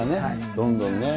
どんどんね。